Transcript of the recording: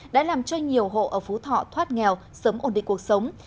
đã làm cho nhiều hộ ở phú thọ thoát nghèo sớm ổn định cuộc sống